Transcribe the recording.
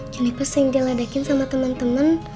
jeniper sering diledakin sama temen temen